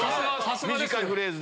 短いフレーズで。